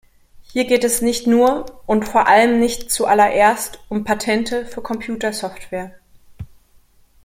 Hier geht es nicht nur – und vor allem nicht zuallererst – um Patente für Computersoftware.